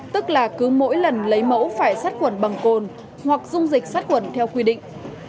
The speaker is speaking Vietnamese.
tức là cứ mỗi lần lấy mẫu phải sát khuẩn bằng cồn hoặc dung dịch sát khuẩn theo quy định